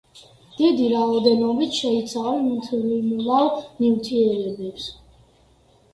დიდი რაოდენობით შეიცავენ მთრიმლავ ნივთიერებებს.